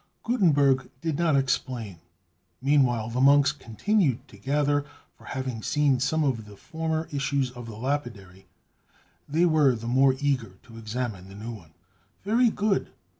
Gutenberg did not explain. Meanwhile the monks continued to gather; for having seen some of the former issues of the lapidary, they were the more eager to examine the new one. "Very good!